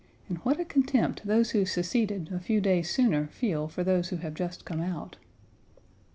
And what a contempt those who seceded a few days sooner feel for those who have just come out!